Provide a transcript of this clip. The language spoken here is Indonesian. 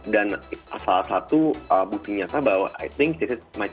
dan salah satu butiknya saya bahwa i think this is my chance